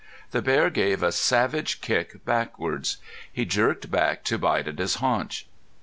The bear gave a savage kick backwards. He jerked back to bite at his haunch.